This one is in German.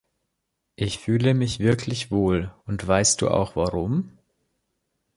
Ich fühle mich wirklich wohl, und weißt Du auch warum?